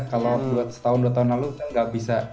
kalau buat setahun dua tahun lalu kita tidak bisa